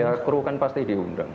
ya kru kan pasti diundang